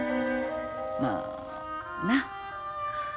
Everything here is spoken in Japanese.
まあなっ。